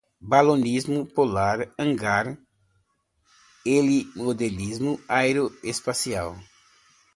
balonismo, polar, hangar, helimodelismo, aeroespacial